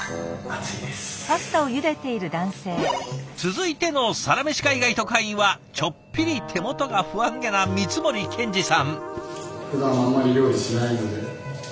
続いてのサラメシ海外特派員はちょっぴり手元が不安げな光森健二さん。